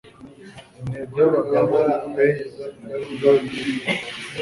Intego y'abagabo pe niyoyiyo